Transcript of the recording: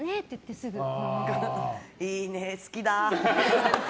いいね、好きだ。